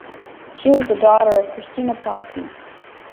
She was the daughter of and Christina Posse.